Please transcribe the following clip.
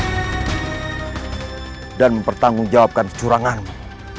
hai dan mempertanggungjawabkan curanganmu jangan salah fahamkanmu